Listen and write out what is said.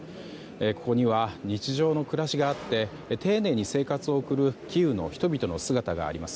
ここには、日常の暮らしがあって丁寧に生活を送るキーウの人々の姿があります。